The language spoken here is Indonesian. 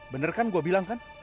bener kan gue bilang kan